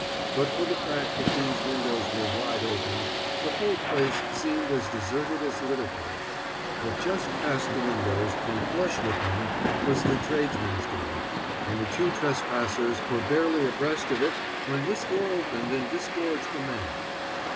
But for the fact that these windows were wide open, the whole place seemed as deserted as Littleford; but just past the windows, and flush with them, was the tradesmen's door, and the two trespassers were barely abreast of it when this door opened and disgorged a man.